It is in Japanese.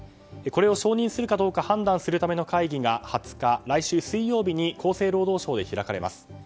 これを承認するかどうか判断するための会議が２０日、来週水曜日に厚生労働省で開かれます。